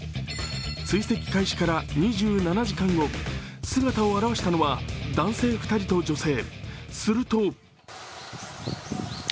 追跡開始から２７時間後、姿を現したのは男性２人と女性。